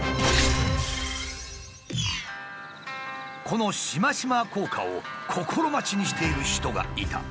このシマシマ効果を心待ちにしている人がいた。